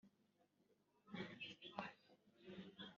gahamagarwa kandi kayoborwa